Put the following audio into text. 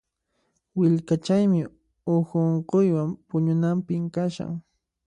Willkachaymi uhu unquywan puñunapim kashan.